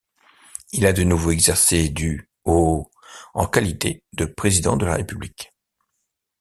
Il a de nouveau exercé du au en qualité de président de la République.